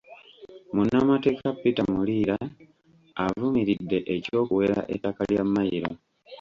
Munnamateeka Peter Muliira avumiridde eky'okuwera ettaka lya Mmayiro .